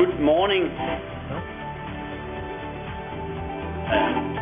Good morning. Morning.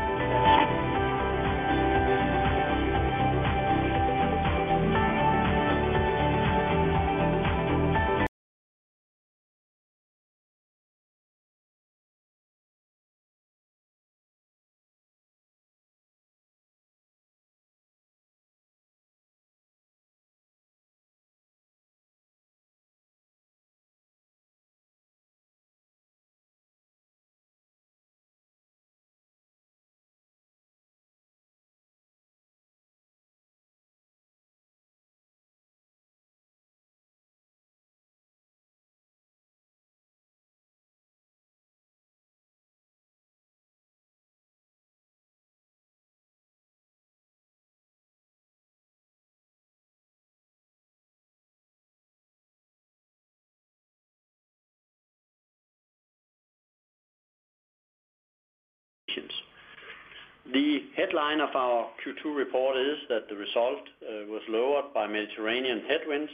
The headline of our Q2 report is that the result was lowered by Mediterranean headwinds.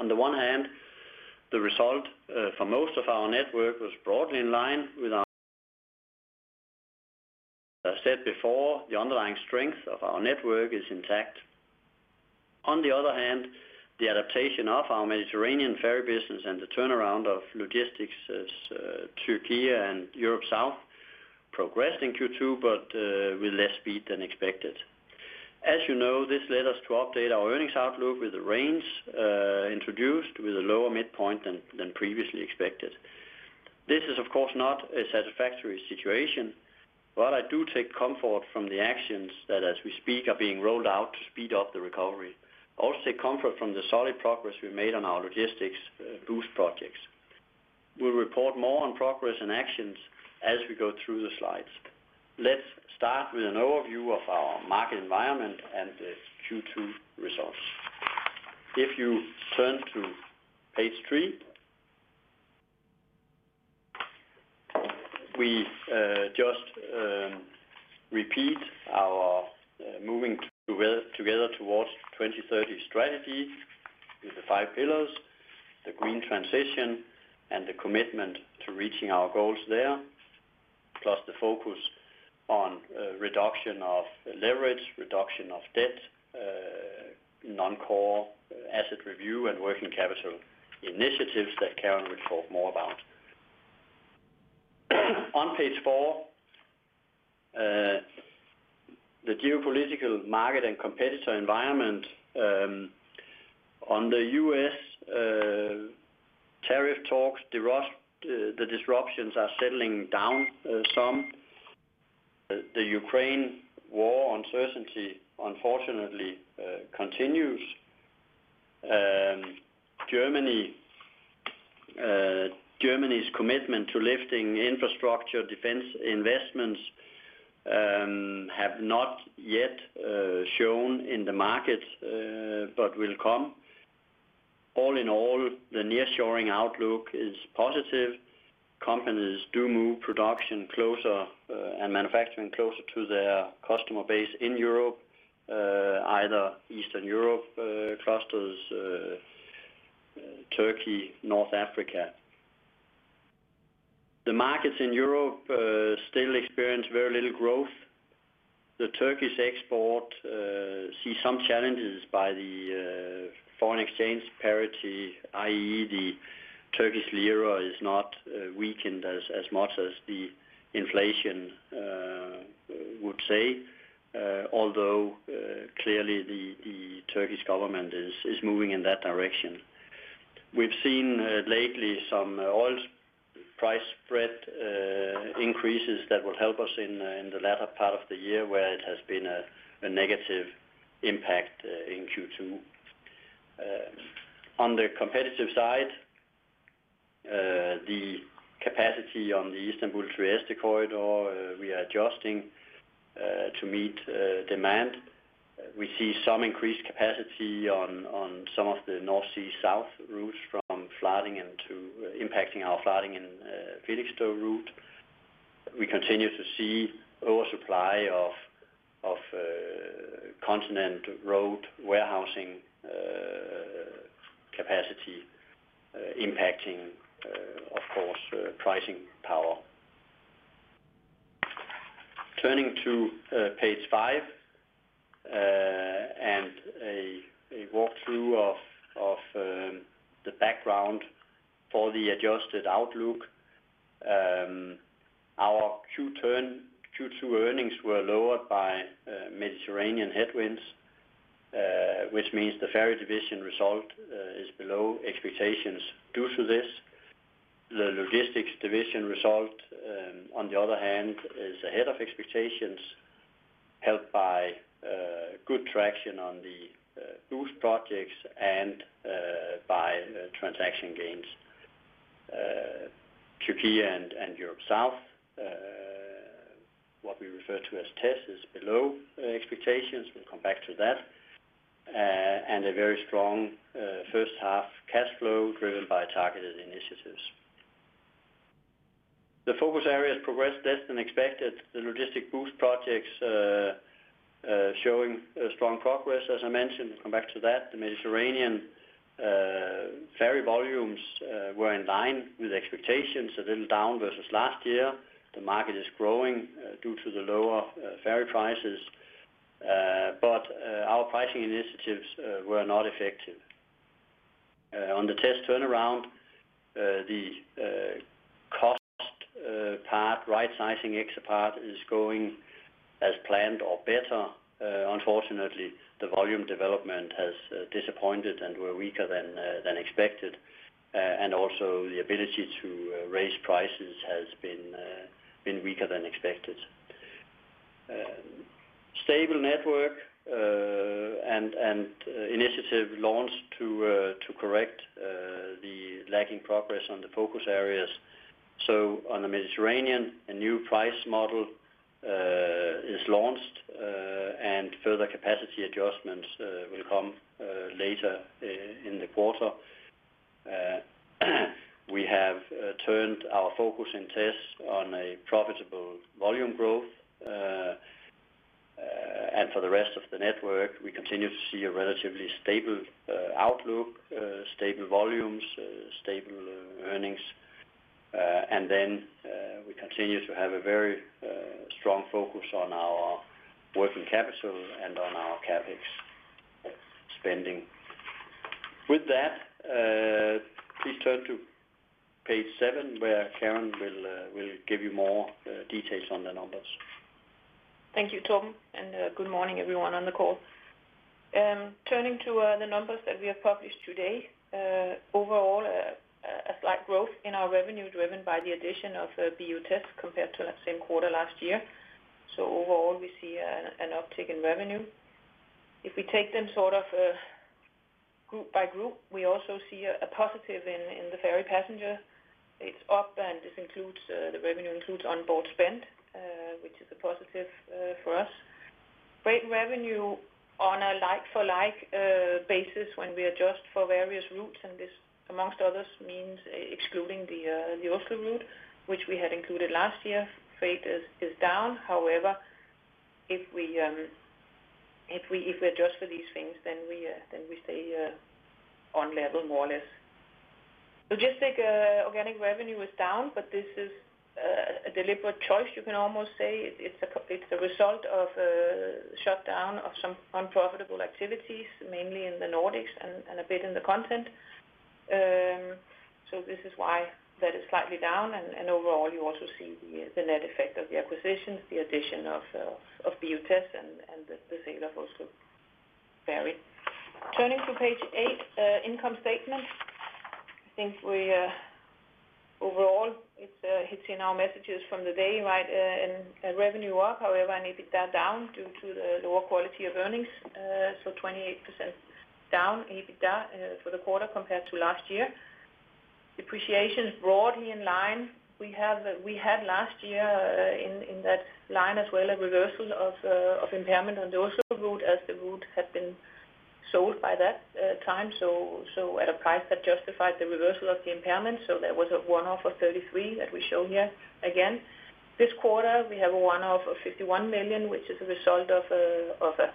On the one hand, the result for most of our network was broadly in line with our... As I said before, the underlying strength of our network is intact. On the other hand, the adaptation of our Mediterranean ferry business and the turnaround of logistics to Turkey and Europe South progressed in Q2, but with less speed than expected. As you know, this led us to update our earnings outlook with the range introduced with a lower midpoint than previously expected. This is, of course, not a satisfactory situation, but I do take comfort from the actions that, as we speak, are being rolled out to speed up the recovery. I also take comfort from the solid progress we made on our logistics boost projects. We'll report more on progress and actions as we go through the slides. Let's start with an overview of our market environment and the Q2 results. If you turn to page 3, we just repeat our Moving Together Towards 2030 Strategy with the five pillars, the green transition, and the commitment to reaching our goals there, plus the focus on reduction of leverage, reduction of debt, non-core asset review, and working capital initiatives that Karen will talk more about. On page 4, the geopolitical market and competitor environment on the U.S. tariff talks, the disruptions are settling down some. The Ukraine war uncertainty, unfortunately, continues. Germany's commitment to lifting infrastructure defense investments has not yet shown in the market, but will come. All in all, the nearshoring outlook is positive. Companies do move production closer and manufacturing closer to their customer base in Europe, either Eastern Europe clusters, Turkey, North Africa. The markets in Europe still experience very little growth. The Turkish export sees some challenges by the foreign exchange parity, i.e., the Turkish lira is not weakened as much as the inflation would say, although clearly the Turkish government is moving in that direction. We've seen lately some oil price spread increases that will help us in the latter part of the year where it has been a negative impact in Q2. On the competitive side, the capacity on the Istanbul-Trieste corridor, we are adjusting to meet demand. We see some increased capacity on some of the North Sea South routes from flooding and to impacting our flooding in Felixstowe route. We continue to see oversupply of continent road warehousing capacity, impacting, of course, pricing power. Turning to page 5 and a walkthrough of the background for the adjusted outlook. Our Q2 earnings were lowered by Mediterranean headwinds, which means the ferry division result is below expectations. Due to this, the logistics division result, on the other hand, is ahead of expectations, helped by good traction on the boost projects and by transaction gains. Turkey and Europe South, what we refer to as TESS, is below expectations. We'll come back to that. A very strong first half cash flow driven by targeted initiatives. The focus areas progressed less than expected. The logistics boost projects are showing strong progress. As I mentioned, I'll come back to that. The Mediterranean ferry volumes were in line with expectations, a little down versus last year. The market is growing due to the lower ferry prices. Our pricing initiatives were not effective. On the TESS turnaround, the cost part, right sizing exit part, is going as planned or better. Unfortunately, the volume development has disappointed and were weaker than expected. Also, the ability to raise prices has been weaker than expected. Stable network and initiative launched to correct the lacking progress on the focus areas. On the Mediterranean, a new pricing model is launched, and further capacity adjustments will come later in the quarter. We have turned our focus in TESS on a profitable volume growth. For the rest of the network, we continue to see a relatively stable outlook, stable volumes, stable earnings. We continue to have a very strong focus on our working capital and on our CapEx spending. With that, please turn to page 7 where Karen will give you more details on the numbers. Thank you, Torben, and good morning, everyone, on the call. Turning to the numbers that we have published today, overall, a slight growth in our revenue driven by the addition of BU Tests compared to that same quarter last year. Overall, we see an uptick in revenue. If we take them sort of group by group, we also see a positive in the ferry passenger. It's up, and this includes the revenue includes onboard spend, which is a positive for us. Rate revenue on a like-for-like basis when we adjust for various routes, and this, amongst others, means excluding the Oslo route, which we had included last year, fate is down. However, if we adjust for these things, then we stay on level, more or less. Logistic organic revenue is down, but this is a deliberate choice, you can almost say. It's the result of a shutdown of some unprofitable activities, mainly in the Nordics and a bit in the continent. This is why that is slightly down. Overall, you also see the net effect of the acquisitions, the addition of BUTech and the sale of Oslo ferry. Turning to page 8, income statements. I think, overall, it's hitting our messages from the day, right? Revenue up, however, an EBITDA down due to the lower quality of earnings. 28% down EBITDA for the quarter compared to last year. Depreciation is broadly in line. We had last year in that line as well a reversal of impairment on the Oslo route as the route had been sold by that time at a price that justified the reversal of the impairment. There was a one-off of 33 million that we show here again. This quarter, we have a one-off of 51 million, which is the result of a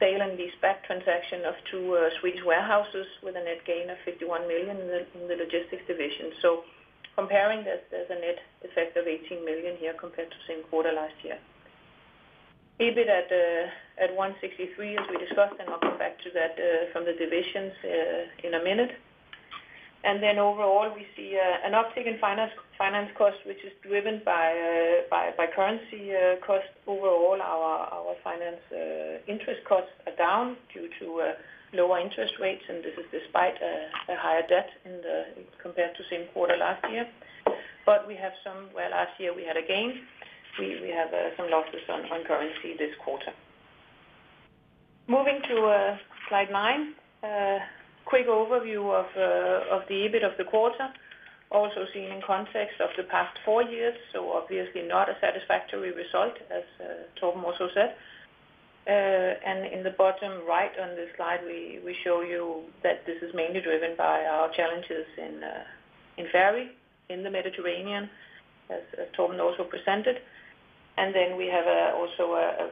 sale and lease-back transaction of two Swedish warehouses with a net gain of 51 million in the logistics division. Comparing this, there's a net effect of 18 million here compared to the same quarter last year. EBIT at 163 million, as we discussed, and I'll come back to that from the divisions in a minute. Overall, we see an uptick in finance costs, which is driven by currency costs. Overall, our finance interest costs are down due to lower interest rates, and this is despite a higher debt compared to the same quarter last year. Last year we had a gain. We have some losses on currency this quarter. Moving to slide nine, a quick overview of the EBIT of the quarter, also seen in context of the past four years. Obviously, not a satisfactory result, as Torben also said. In the bottom right on this slide, we show you that this is mainly driven by our challenges in ferry in the Mediterranean, as Torben also presented. We have also a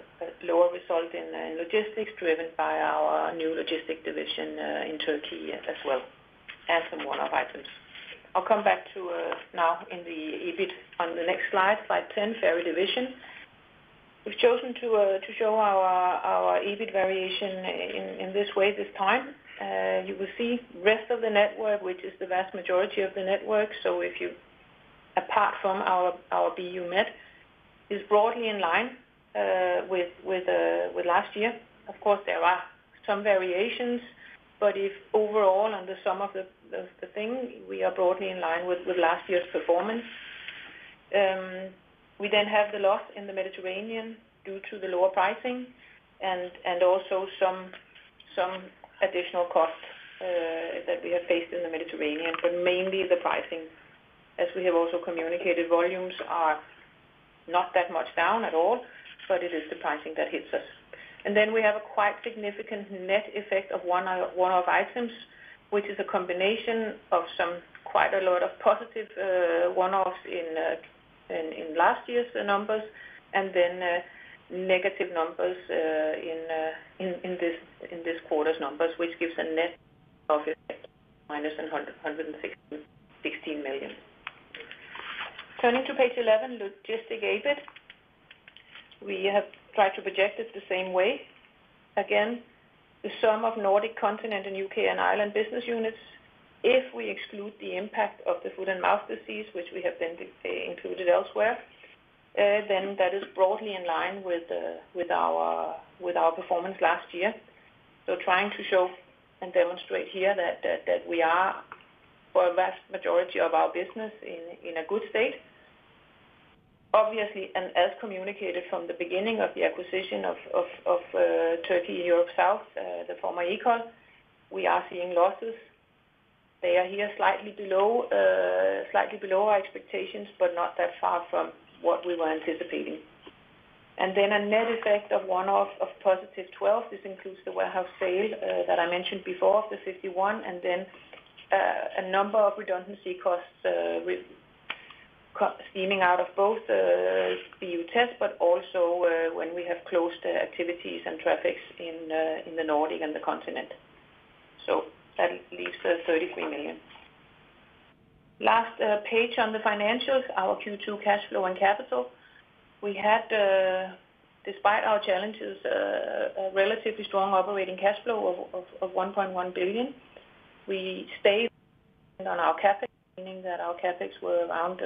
lower result in logistics driven by our new logistics division in Turkey as well as the one-off items. I'll come back to that now in the EBIT on the next slide, slide 10, ferry division. We've chosen to show our EBIT variation in this way this time. You will see the rest of the network, which is the vast majority of the network. If you, apart from our BU Med, it is broadly in line with last year. Of course, there are some variations, but overall on the sum of the thing, we are broadly in line with last year's performance. We then have the loss in the Mediterranean due to the lower pricing and also some additional costs that we have faced in the Mediterranean, mainly the pricing. As we have also communicated, volumes are not that much down at all, but it is the pricing that hits us. We have a quite significant net effect of one-off items, which is a combination of quite a lot of positive one-offs in last year's numbers and then negative numbers in this quarter's numbers, which gives a net of -116 million. Turning to page 11, logistics EBIT. We have tried to project it the same way. Again, the sum of Nordic continent and U.K. and Ireland business units, if we exclude the impact of the foot and mouth disease, which we have included elsewhere, then that is broadly in line with our performance last year. Trying to show and demonstrate here that we are, for a vast majority of our business, in a good state. Obviously, and as communicated from the beginning of the acquisition of Turkey and Europe South, the former Ekol, we are seeing losses. They are here slightly below our expectations, but not that far from what we were anticipating. A net effect of one-off of +12 million. This includes the warehouse sale that I mentioned before of the 51 million, and a number of redundancy costs stemming out of both BU Tests, but also when we have closed activities and traffics in the Nordic and the continent. That leaves the 33 million. Last page on the financials, our Q2 cash flow and capital. We had, despite our challenges, a relatively strong operating cash flow of 1.1 billion. We stayed on our CapEx, meaning that our CapEx were around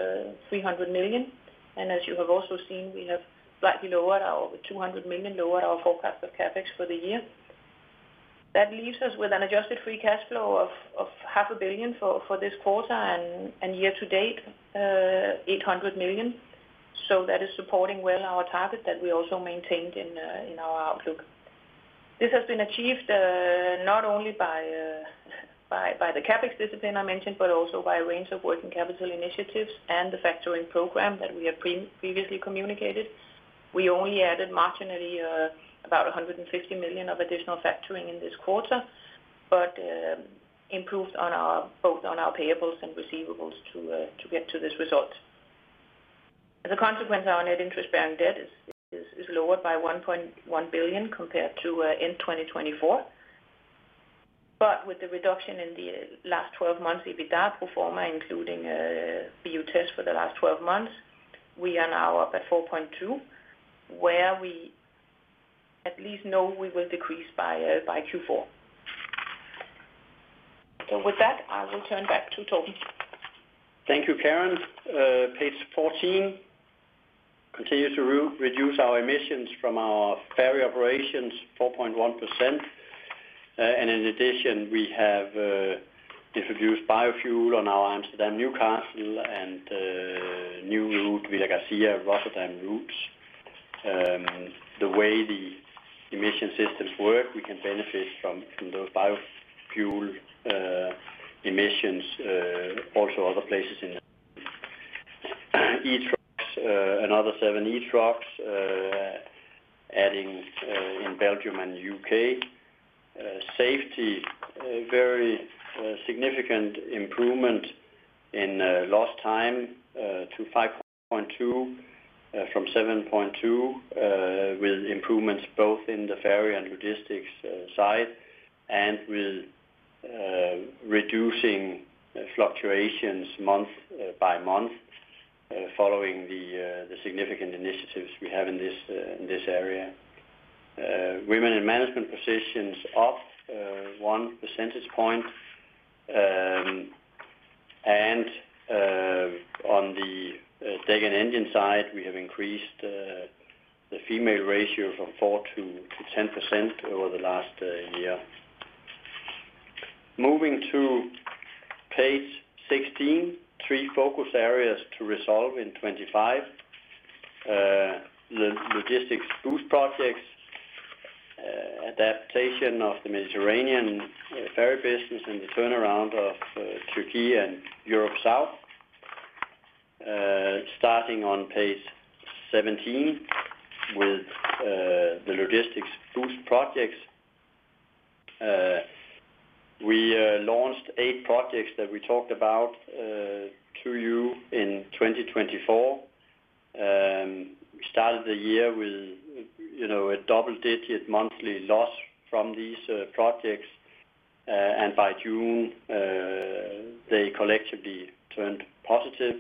300 million. As you have also seen, we have slightly lowered our 200 million, lowered our forecast of CapEx for the year. That leaves us with an adjusted free cash flow of 0.5 billion for this quarter and year to date, 0.8 billion. That is supporting well our target that we also maintained in our outlook. This has been achieved not only by the CapEx discipline I mentioned, but also by a range of working capital initiatives and the factoring program that we have previously communicated. We only added marginally about 150 million of additional factoring in this quarter, but improved on both our payables and receivables to get to this result. As a consequence, our net interest-bearing debt is lowered by 1.1 billion compared to end 2024. With the reduction in the last 12 months EBITDA performer, including BU Tests for the last 12 months, we are now up at 4.2, where we at least know we will decrease by Q4. With that, I will turn back to Torben. Thank you, Karen. Page 14. Continue to reduce our emissions from our ferry operations, 4.1%. In addition, we have introduced biofuel on our Amsterdam-Newcastle and New Root-Vilagarcia-Rotterdam route. The way the emission systems work, we can benefit from those biofuel emissions, also other places in ETROX and other seven ETROX, adding in Belgium and the U.K., Safety, a very significant improvement in lost time to 5.2 from 7.2, with improvements both in the ferry and logistics side and with reducing fluctuations month by month following the significant initiatives we have in this area. Women in management positions up 1 percentage point. On the deck and engine side, we have increased the female ratio from 4%-10% over the last year. Moving to page 16, three focus areas to resolve in 2025. The logistics boost projects, adaptation of the Mediterranean ferry business, and the turnaround of Turkey and Europe South. Starting on page 17 with the logistics boost projects, we launched eight projects that we talked about to you in 2024. We started the year with a double-digit monthly loss from these projects. By June, they collectively turned positive.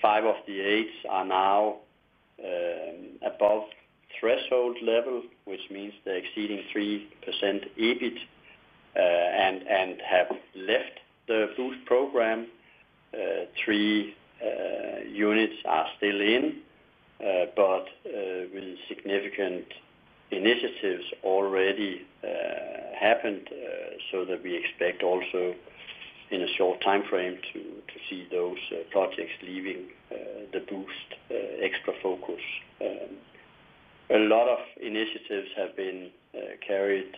Five of the eight are now above threshold level, which means they're exceeding 3% EBIT and have left the boost program. Three units are still in, but with significant initiatives already happened so that we expect also in a short timeframe to see those projects leaving the boost extra focus. A lot of initiatives have been carried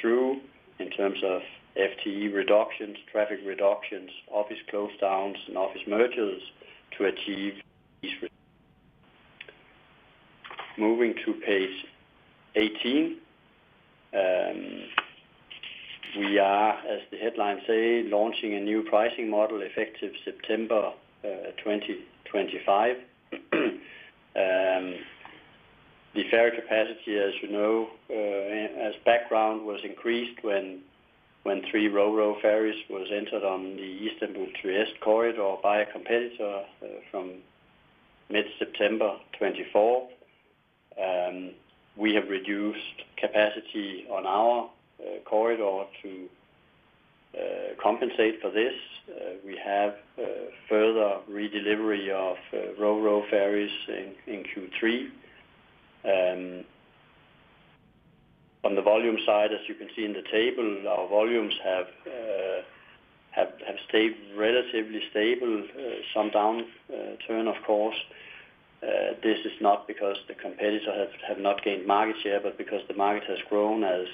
through in terms of FTE reductions, traffic reductions, office close downs, and office mergers to achieve these. Moving to page 18, we are, as the headlines say, launching a new pricing model effective September 2025. The ferry capacity, as you know, as background was increased when three RORO ferries were entered on the Istanbul-Trieste corridor by a competitor from mid-September 2024. We have reduced capacity on our corridor to compensate for this. We have further redelivery of Ro-Ro ferries in Q3. On the volume side, as you can see in the table, our volumes have stayed relatively stable, some downturn, of course. This is not because the competitor has not gained market share, but because the market has grown as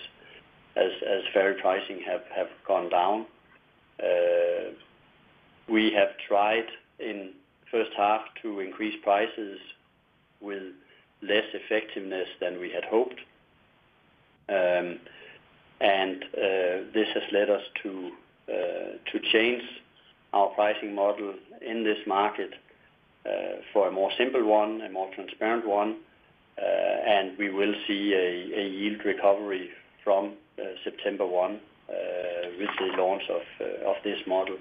ferry pricing has gone down. We have tried in the first half to increase prices with less effectiveness than we had hoped. This has led us to change our pricing model in this market for a more simple one, a more transparent one. We will see a yield recovery from September 1 with the launch of this model.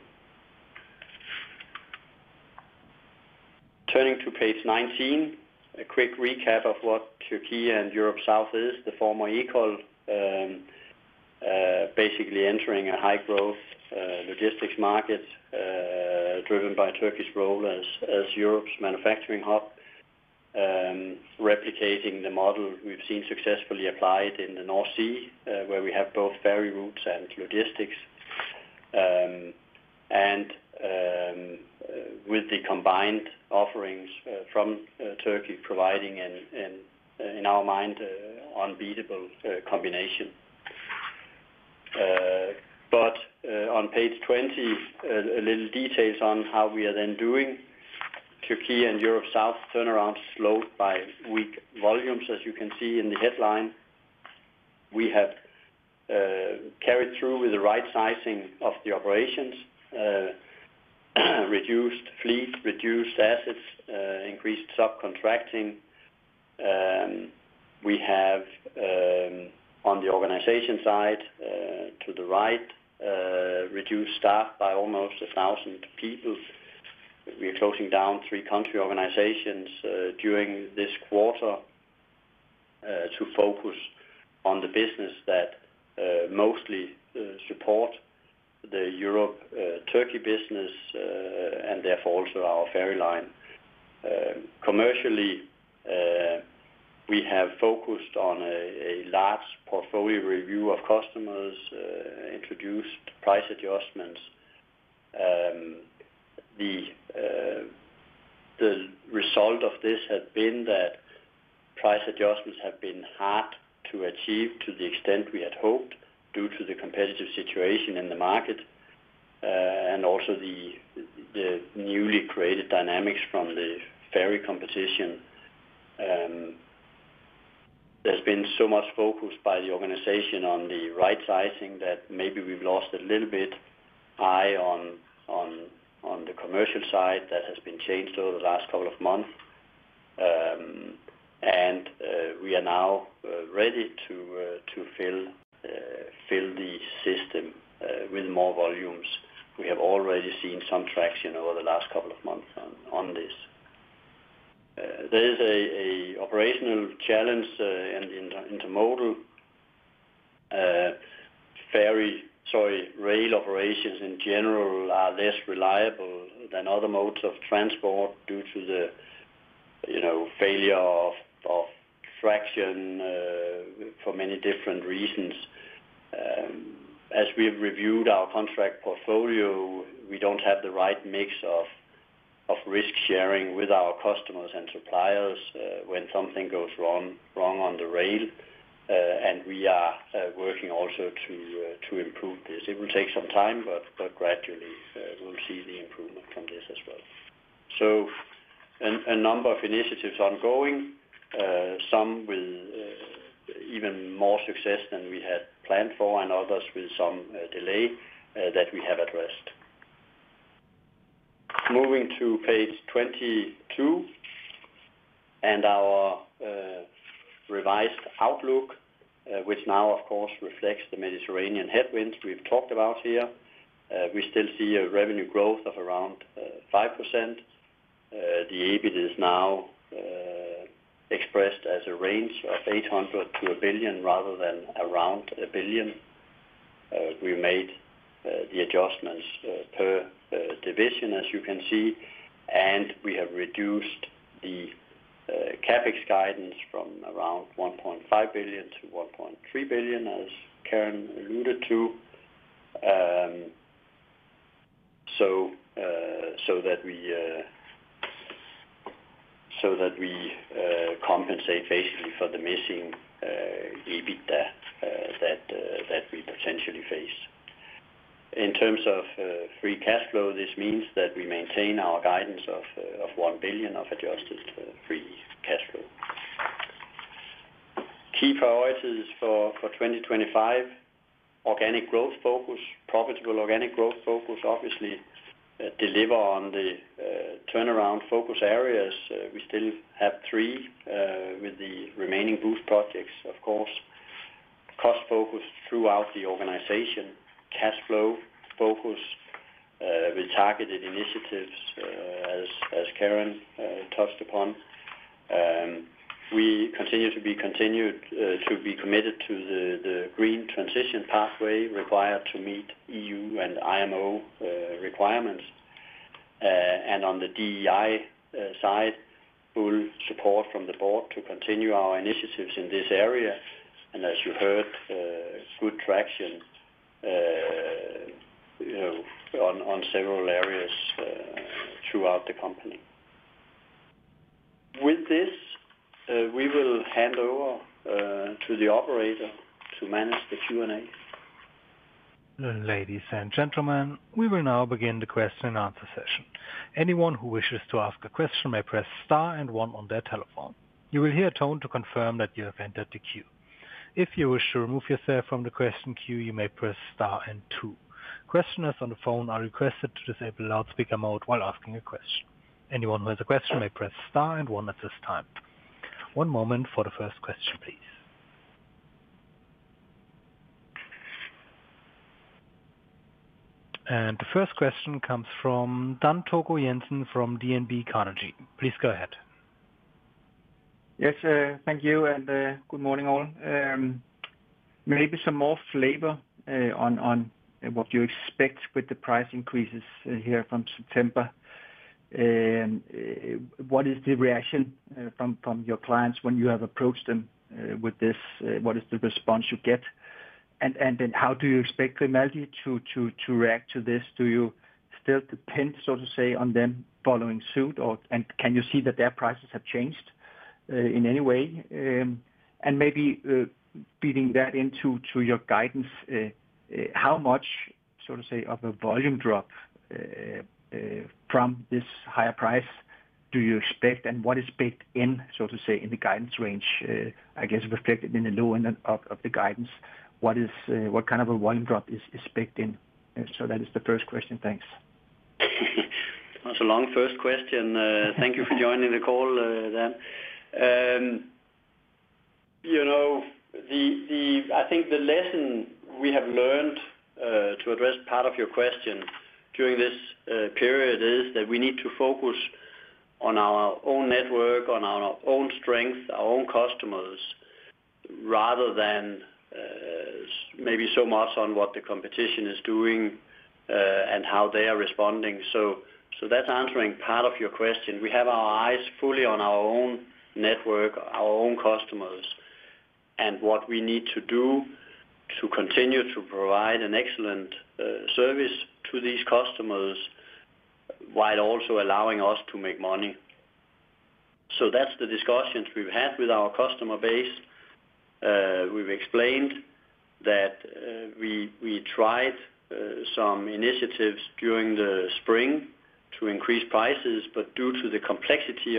Turning to page 19, a quick recap of what Turkey and Europe South is, the former Ekol, basically entering a high-growth logistics market driven by Turkey's role as Europe's manufacturing hub, replicating the model we've seen successfully applied in the North Sea, where we have both ferry routes and logistics. With the combined offerings from Turkey providing an, in our mind, unbeatable combination. On page 20, a little detail on how we are then doing. Turkey and Europe South turnaround slowed by weak volumes. As you can see in the headline, we have carried through with the right sizing of the operations, reduced fleet, reduced assets, increased subcontracting. On the organization side, to the right, we have reduced staff by almost 1,000 people. We are closing down three country organizations during this quarter to focus on the business that mostly supports the Europe-Turkey business and therefore also our ferry line. Commercially, we have focused on a large portfolio review of customers and introduced price adjustments. The result of this has been that price adjustments have been hard to achieve to the extent we had hoped due to the competitive situation in the market and also the newly created dynamics from the ferry competition. There has been so much focus by the organization on the right sizing that maybe we've lost a little bit of eye on the commercial side. That has been changed over the last couple of months, and we are now ready to fill the system with more volumes. We have already seen some traction over the last couple of months on this. There is an operational challenge, and intermodal rail operations in general are less reliable than other modes of transport due to the failure of traction for many different reasons. As we have reviewed our contract portfolio, we don't have the right mix of risk sharing with our customers and suppliers when something goes wrong on the rail, and we are working also to improve this. It will take some time, but gradually, we'll see the improvement from this as well. A number of initiatives are ongoing, some with even more success than we had planned for and others with some delay that we have addressed. Moving to page 22 and our revised outlook, which now, of course, reflects the Mediterranean headwinds we've talked about here. We still see a revenue growth of around 5%. The EBIT is now expressed as a range of 800 million-1 billion rather than around 1 billion. We made the adjustments per division, as you can see. We have reduced the CapEx guidance from around 1.5 billion-1.3 billion, as Karen alluded to, so that we compensate basically for the missing EBITDA that we potentially face. In terms of free cash flow, this means that we maintain our guidance of 1 billion of adjusted free cash flow. Key priorities for 2025: organic growth focus, profitable organic growth focus, obviously deliver on the turnaround focus areas. We still have three with the remaining logistics boost projects, of course. Cost focus throughout the organization, cash flow focus with targeted initiatives, as Karen touched upon. We continue to be committed to the green transition pathway required to meet EU and IMO requirements. On the DEI side, full support from the board to continue our initiatives in this area. As you heard, good traction on several areas throughout the company. With this, we will hand over to the operator to manage the Q&A. Ladies and gentlemen, we will now begin the question and answer session. Anyone who wishes to ask a question may press star and one on their telephone. You will hear a tone to confirm that you have entered the queue. If you wish to remove yourself from the question queue, you may press star and two. Questioners on the phone are requested to disable loudspeaker mode while asking a question. Anyone who has a question may press star and one at this time. One moment for the first question, please. The first question comes from Dan Togo Jensen from DNB Carnegie. Please go ahead. Yes, thank you, and good morning all. Maybe some more flavor on what you expect with the price increases here from September. What is the reaction from your clients when you have approached them with this? What is the response you get? How do you expect Grimaldi to react to this? Do you still depend, so to say, on them following suit? Can you see that their prices have changed in any way? Maybe feeding that into your guidance, how much, so to say, of a volume drop from this higher price do you expect? What is baked in, so to say, in the guidance range? I guess it's reflected in the low end of the guidance. What kind of a volume drop is baked in? That is the first question. Thanks. That was a long first question. Thank you for joining the call, Dan. I think the lesson we have learned to address part of your question during this period is that we need to focus on our own network, on our own strengths, our own customers, rather than maybe so much on what the competition is doing and how they are responding. That's answering part of your question. We have our eyes fully on our own network, our own customers, and what we need to do to continue to provide an excellent service to these customers while also allowing us to make money. That's the discussions we've had with our customer base. We've explained that we tried some initiatives during the spring to increase prices, but due to the complexity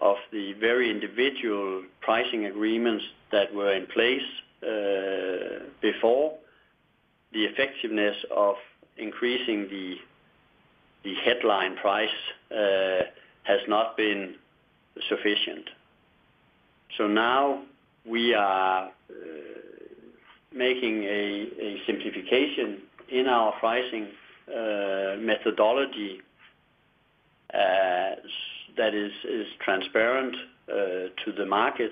of the very individual pricing agreements that were in place before, the effectiveness of increasing the headline price has not been sufficient. Now we are making a simplification in our pricing methodology that is transparent to the market,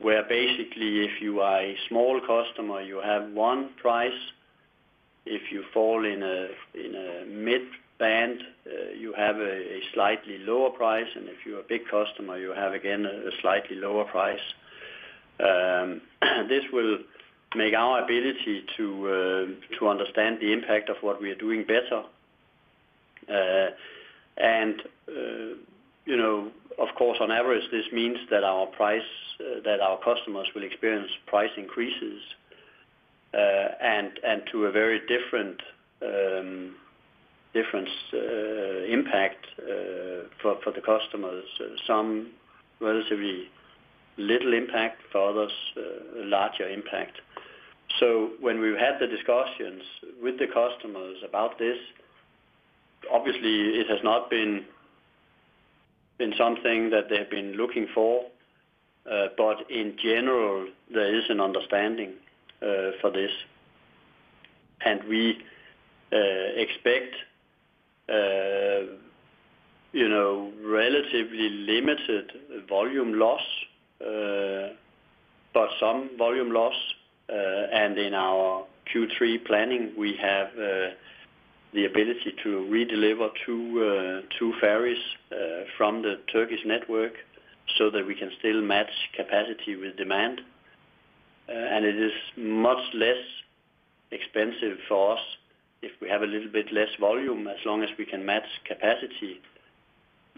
where basically, if you are a small customer, you have one price. If you fall in a mid-band, you have a slightly lower price. If you're a big customer, you have, again, a slightly lower price. This will make our ability to understand the impact of what we are doing better. Of course, on average, this means that our customers will experience price increases and to a very different impact for the customers. Some relatively little impact, for others, a larger impact. When we've had the discussions with the customers about this, obviously, it has not been something that they've been looking for. In general, there is an understanding for this. We expect relatively limited volume loss, but some volume loss. In our Q3 planning, we have the ability to redeliver two ferries from the Turkish network so that we can still match capacity with demand. It is much less expensive for us if we have a little bit less volume as long as we can match capacity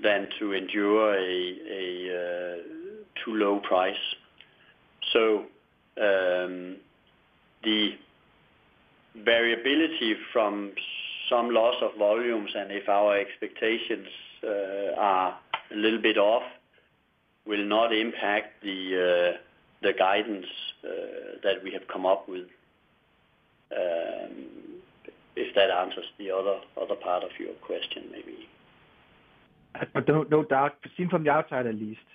than to endure a too low price. The variability from some loss of volumes and if our expectations are a little bit off will not impact the guidance that we have come up with, if that answers the other part of your question, maybe. No doubt, seen from the outside at least,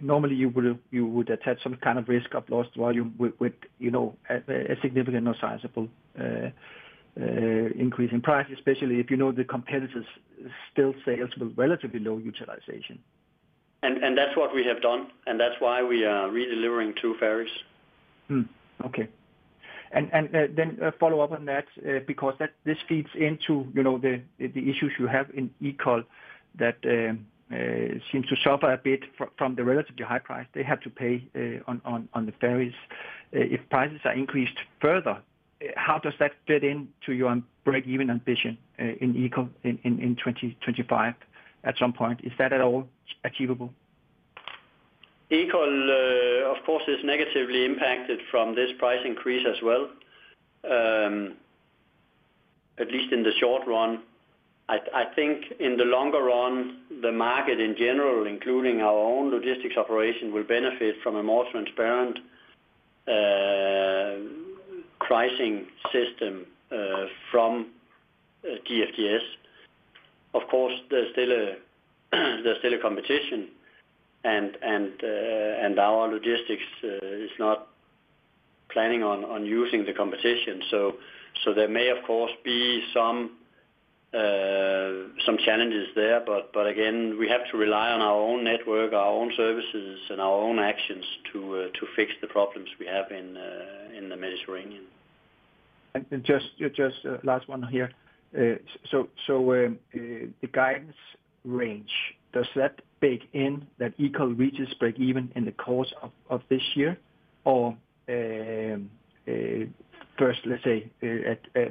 normally you would attach some kind of risk of lost volume with a significant or sizable increase in price, especially if you know the competitor still sails with relatively low utilization. That is what we have done. That is why we are redelivering two ferries. Okay. A follow-up on that, because this feeds into the issues you have in Ekol that seem to suffer a bit from the relatively high price they have to pay on the ferries. If prices are increased further, how does that fit into your break-even ambition in Ekol in 2025 at some point? Is that at all achievable? Ekol, of course, is negatively impacted from this price increase as well, at least in the short run. I think in the longer run, the market in general, including our own logistics operation, will benefit from a more transparent pricing system from DFDS. There is still a competition, and our logistics is not planning on using the competition. There may, of course, be some challenges there. Again, we have to rely on our own network, our own services, and our own actions to fix the problems we have in the Mediterranean. Just a last one here. Does the guidance range bake in that Ekol reaches break-even in the course of this year, or is that first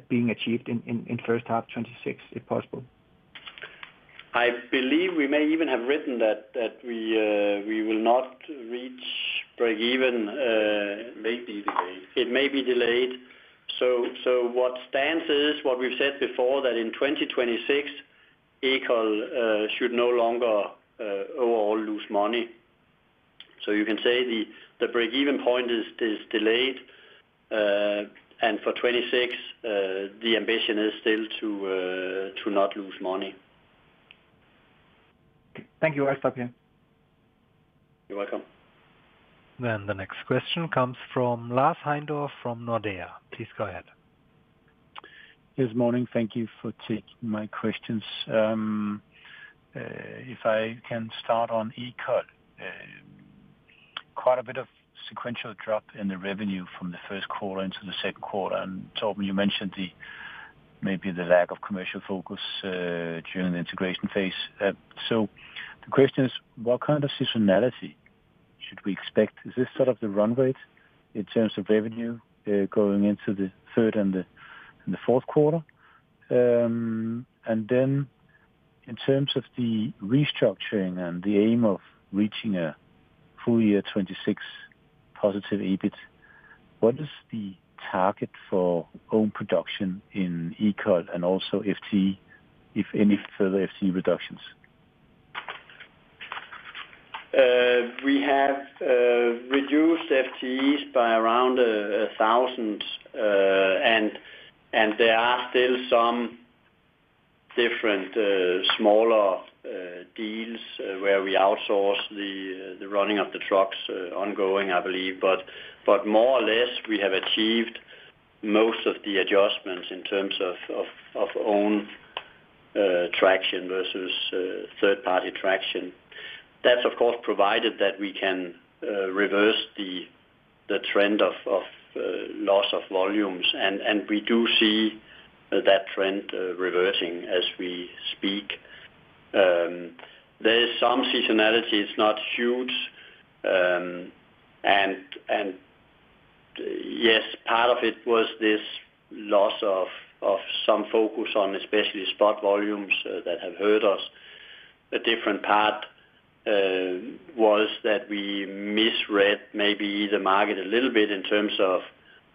being achieved in the first half of 2026, if possible? I believe we may even have written that we will not reach break-even. It may be delayed. What stands is what we've said before, that in 2026, Ekol should no longer overall lose money. You can say the break-even point is delayed, and for 2026, the ambition is still to not lose money. Thank you. I'll stop here. You're welcome. The next question comes from Lars Heindorff from Nordea. Please go ahead. Good morning. Thank you for taking my questions. If I can start on Ekol, quite a bit of sequential drop in the revenue from the first quarter into the second quarter. Torben, you mentioned maybe the lack of commercial focus during the integration phase. The question is, what kind of seasonality should we expect? Is this sort of the run rate in terms of revenue going into the third and the fourth quarter? In terms of the restructuring and the aim of reaching a full-year 2026 positive EBIT, what is the target for own production in Ekol and also FTE, if any further FTE reductions? We have reduced FTEs by around 1,000, and there are still some different, smaller deals where we outsource the running of the trucks ongoing, I believe. More or less, we have achieved most of the adjustments in terms of own traction versus third-party traction. That is, of course, provided that we can reverse the trend of loss of volumes. We do see that trend reverting as we speak. There is some seasonality. It's not huge. Yes, part of it was this loss of some focus on especially spot volumes that have hurt us. A different part was that we misread maybe the market a little bit in terms of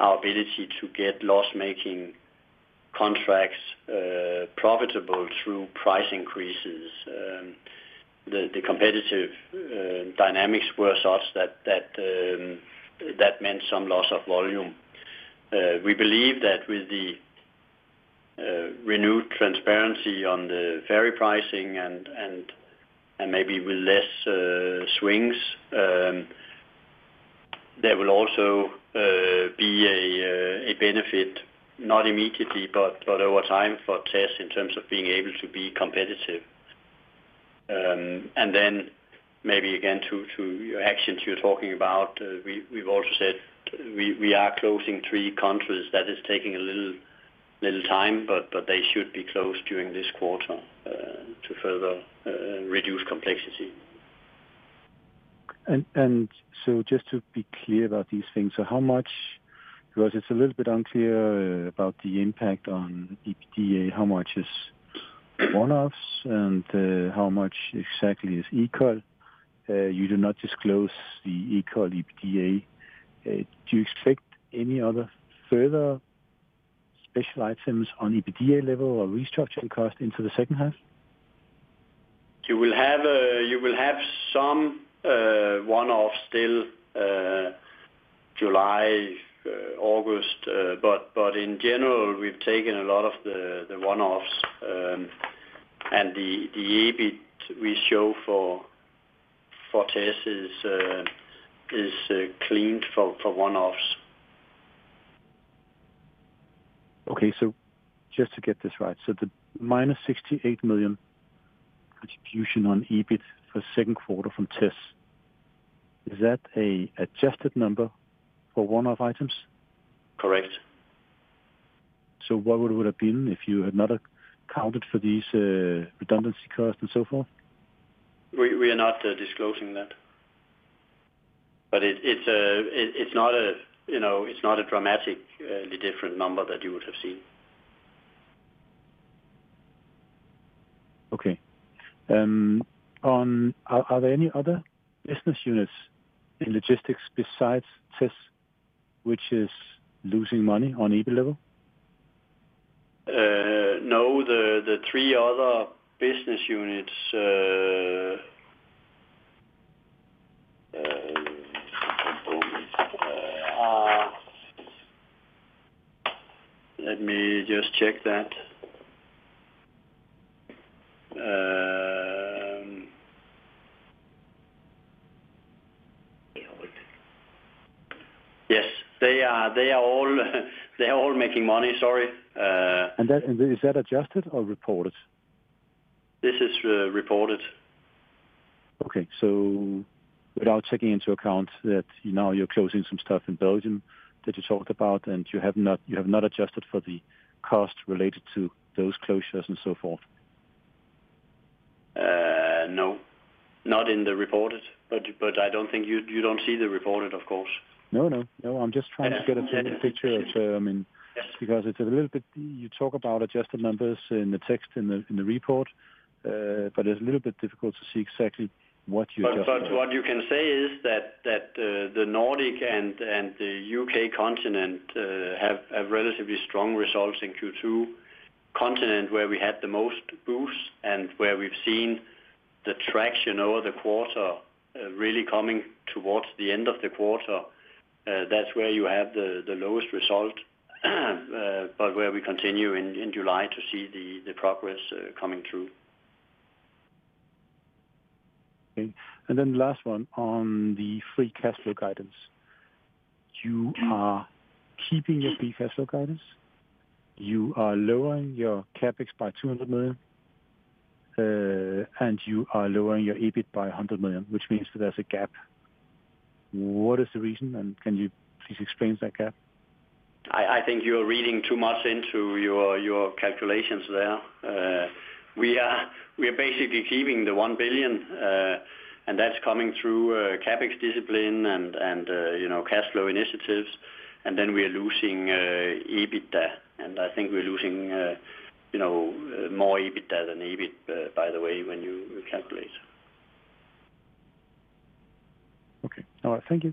our ability to get loss-making contracts profitable through price increases. The competitive dynamics were such that that meant some loss of volume. We believe that with the renewed transparency on the ferry pricing and maybe with less swings, there will also be a benefit, not immediately, but over time for TESS in terms of being able to be competitive. Maybe again to your actions you're talking about, we've also said we are closing three countries. That is taking a little time, but they should be closed during this quarter to further reduce complexity. Just to be clear about these things, how much, because it's a little bit unclear about the impact on EBITDA, how much is one-off items and how much exactly is Ekol? You do not disclose the Ekol EBITDA. Do you expect any other further special items on EBITDA level or restructuring costs into the second half? You will have some one-offs still, July, August. In general, we've taken a lot of the one-offs, and the EBIT we show for TESS is cleaned for one-offs. Okay. Just to get this right, the -68 million attribution on EBIT for the second quarter from TESS, is that an adjusted number for one-off items? Correct. What would it have been if you had not accounted for these redundancy costs and so forth? We are not disclosing that. It's not a dramatically different number that you would have seen. Okay. Are there any other business units in logistics besides TESS which is losing money on EBIT level? No. The three other business units, let me just check that. They all did. Yes, they are all making money, sorry. Is that adjusted or reported? This is reported. Okay. Without taking into account that now you're closing some stuff in Belgium that you talked about, you have not adjusted for the cost related to those closures and so forth. No. Not in the reported, but I don't think you see the reported, of course. I'm just trying to get a picture of, I mean, because you talk about adjusted numbers in the text in the report, but it's a little bit difficult to see exactly what you adjusted. The Nordic and the U.K. continent have relatively strong results in Q2, continent where we had the most boosts and where we've seen the traction over the quarter really coming towards the end of the quarter. That's where you had the lowest result, but where we continue in July to see the progress coming through. Okay. The last one on the free cash flow guidance. You are keeping your free cash flow guidance, you are lowering your CapEx by 200 million, and you are lowering your EBIT by 100 million, which means that there's a gap. What is the reason, and can you please explain that gap? I think you're reading too much into your calculations there. We are basically keeping the 1 billion, and that's coming through CapEx discipline and cash flow initiatives. We are losing EBITDA. I think we're losing more EBITDA than EBIT, by the way, when you calculate. Okay. All right. Thank you.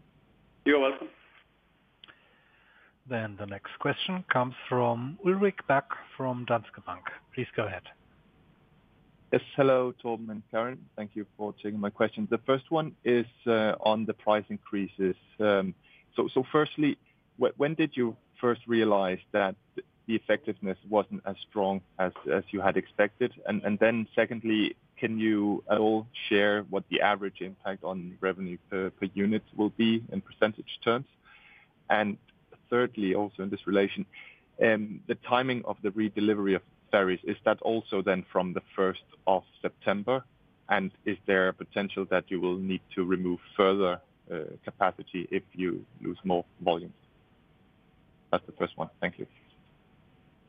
You're welcome. The next question comes from Ulrik Bak from Danske Bank. Please go ahead. Yes. Hello, Torben and Karen. Thank you for taking my question. The first one is on the price increases. Firstly, when did you first realize that the effectiveness wasn't as strong as you had expected? Secondly, can you all share what the average impact on revenue per unit will be in percentage terms? Thirdly, also in this relation, the timing of the redelivery of ferries, is that also from the 1st of September? Is there a potential that you will need to remove further capacity if you lose more volumes? That's the first one. Thank you.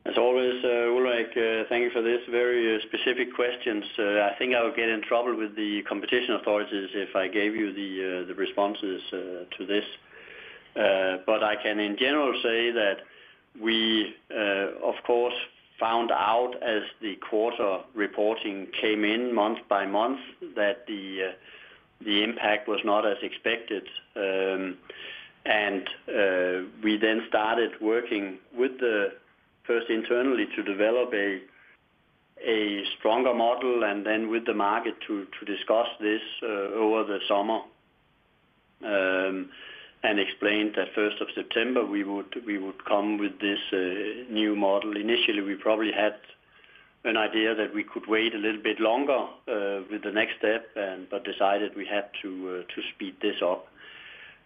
As always, Ulrik, thank you for these very specific questions. I think I would get in trouble with the competition authorities if I gave you the responses to this. I can, in general, say that we, of course, found out as the quarter reporting came in month by month that the impact was not as expected. We then started working first internally to develop a stronger model and then with the market to discuss this over the summer and explained that 1st of September, we would come with this new model. Initially, we probably had an idea that we could wait a little bit longer with the next step, but decided we had to speed this up.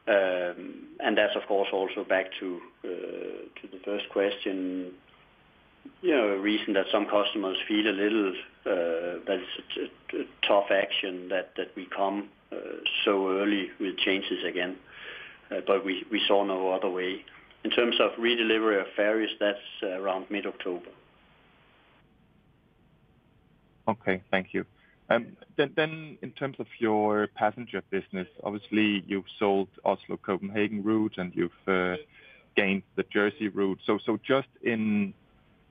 That is, of course, also back to the first question, you know, a reason that some customers feel a little that it's a tough action that we come so early with changes again. We saw no other way. In terms of redelivery of ferries, that's around mid-October. Thank you. In terms of your passenger business, obviously, you've sold the Oslo-Copenhagen route and you've gained the Jersey route. Just in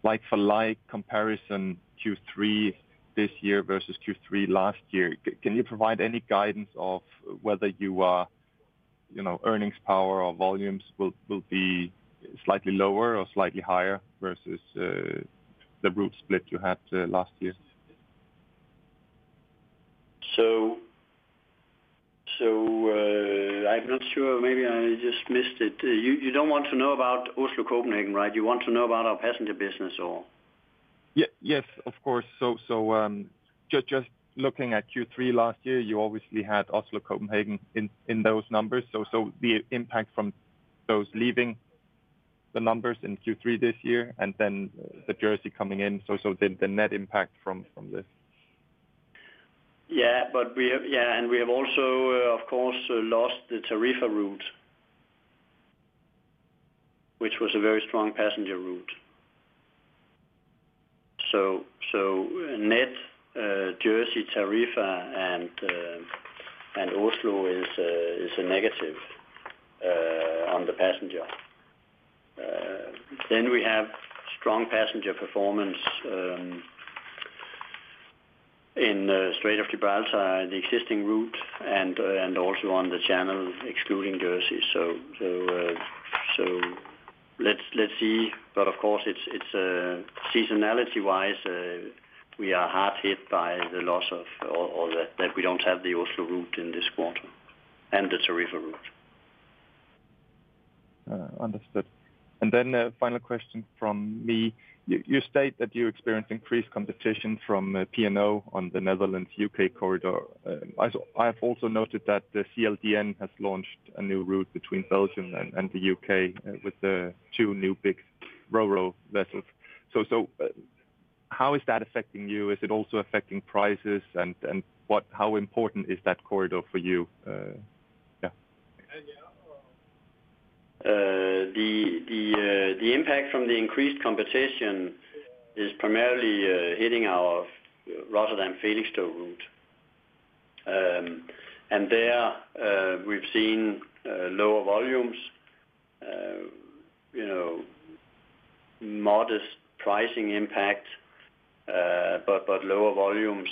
like-for-like comparison Q3 this year versus Q3 last year, can you provide any guidance of whether your earnings power or volumes will be slightly lower or slightly higher versus the route split you had last year? I'm not sure. Maybe I just missed it. You don't want to know about Oslo-Copenhagen, right? You want to know about our passenger business, or? Yes, of course. Just looking at Q3 last year, you obviously had Oslo-Copenhagen in those numbers. The impact from those leaving the numbers in Q3 this year and then the Jersey coming in, the net impact from this. We have also, of course, lost the Tarifa route, which was a very strong passenger route. Net, Jersey, Tarifa, and Oslo is a negative on the passenger. We have strong passenger performance in Strait of Gibraltar, the existing route, and also on the Channel excluding Jersey. It's seasonality-wise, we are hard hit by the loss of all that. We don't have the Oslo route in this quarter and the Tarifa route. Understood. A final question from me. You state that you experienced increased competition from P&O on the Netherlands-U.K. corridor. I have also noted that CLDN has launched a new route between Belgium and the U.K. with the two new big Ro-Ro vessels. How is that affecting you? Is it also affecting prices? How important is that corridor for you? Yeah. The impact from the increased competition is primarily hitting our Rotterdam-Felixstowe route. There, we've seen lower volumes, modest pricing impact, but lower volumes.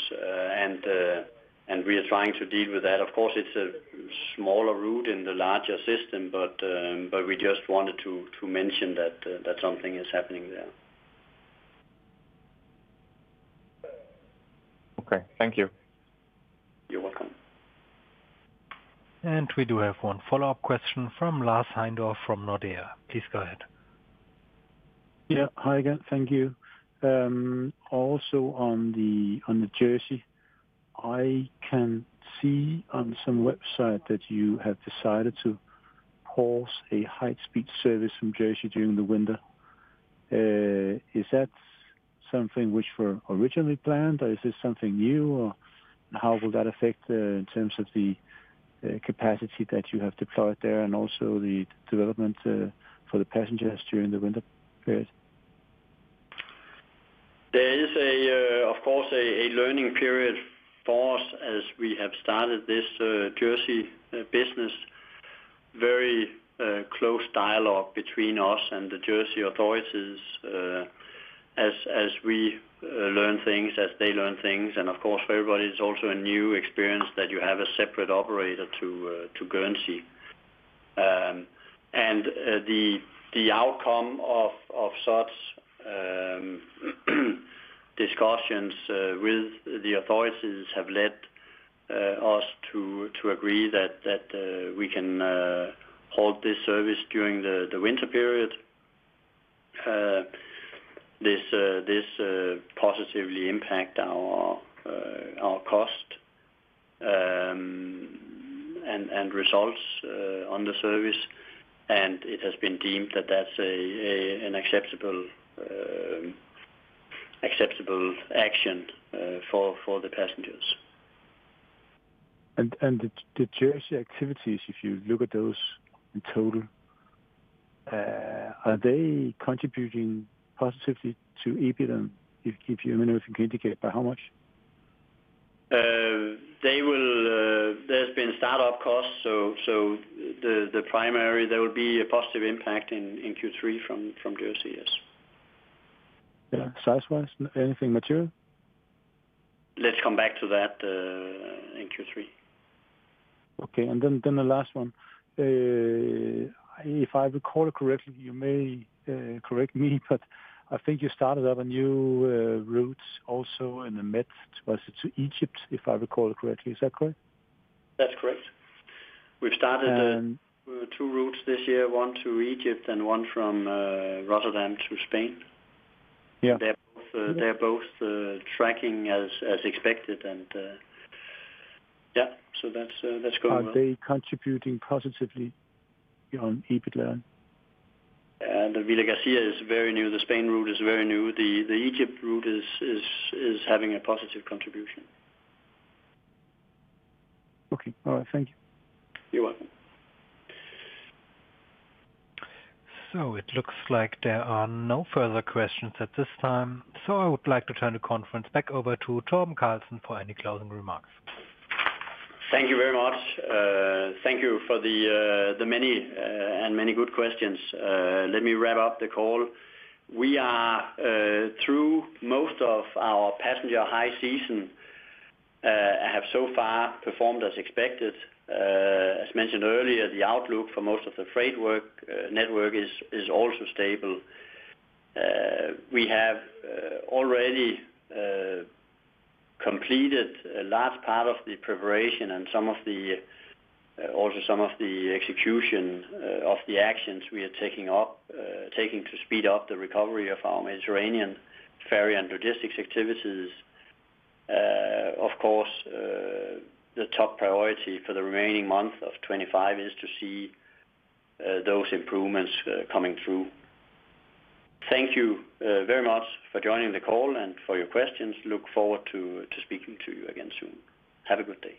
We are trying to deal with that. Of course, it's a smaller route in the larger system, but we just wanted to mention that something is happening there. Okay, thank you. You're welcome. We do have one follow-up question from Lars Heindorff from Nordea. Please go ahead. Hi again. Thank you. Also on the Jersey, I can see on some website that you have decided to pause a high-speed service from Jersey during the winter. Is that something which was originally planned, or is this something new, or how will that affect in terms of the capacity that you have deployed there and also the development for the passengers during the winter period? There is, of course, a learning period for us as we have started this Jersey business. A very close dialogue between us and the Jersey authorities as we learn things, as they learn things. For everybody, it's also a new experience that you have a separate operator to guarantee. The outcome of such discussions with the authorities has led us to agree that we can hold this service during the winter period. This positively impacts our cost and results on the service. It has been deemed that that's an acceptable action for the passengers. If you look at the Jersey activities in total, are they contributing positively to EBITDA? If you can indicate by how much? There have been startup costs. The primary impact will be positive in Q3 from Jersey, yes. Yeah, size-wise, anything material? Let's come back to that in Q3. Okay. The last one, if I recall it correctly, you may correct me, but I think you started up a new route also in the Mediterranean to Egypt, if I recall it correctly. Is that correct? That's correct. We've started two routes this year, one to Egypt and one from Rotterdam to Spain. They're both tracking as expected, so that's going well. Are they contributing positively on EBITDA? The Vilagarcia is very new. The Spain route is very new. The Egypt route is having a positive contribution. Okay. All right. Thank you. You're welcome. It looks like there are no further questions at this time. I would like to turn the conference back over to Torben Carlsen for any closing remarks. Thank you very much. Thank you for the many and many good questions. Let me wrap up the call. We are through most of our passenger high season. I have so far performed as expected. As mentioned earlier, the outlook for most of the freight network is also stable. We have already completed a large part of the preparation and also some of the execution of the actions we are taking to speed up the recovery of our Mediterranean ferry and logistics activities. Of course, the top priority for the remaining month of 2025 is to see those improvements coming through. Thank you very much for joining the call and for your questions. Look forward to speaking to you again soon. Have a good day.